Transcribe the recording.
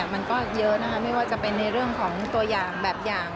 มันก็เยอะนะคะไม่ว่าจะเป็นในเรื่องของตัวอย่างแบบอย่าง